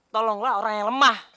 tolonglah orang yang lemah